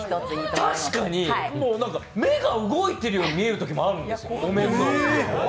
確かにお面の目が動いているように見えるときがあるんですよ。